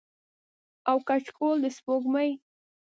او کچکول د سپوږمۍ